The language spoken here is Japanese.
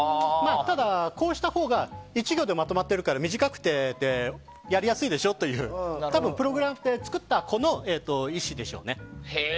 ただ、こうしたほうが１行でまとまっているから短くってやりやすいでしょっていうプログラムを作った人の意思でしょうね。